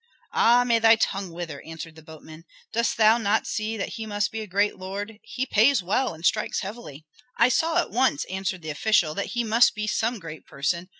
"Ah, may thy tongue wither!" answered the boatman. "Dost thou not see that he must be a great lord: he pays well and strikes heavily." "I saw at once," answered the official, "that he must be some great person.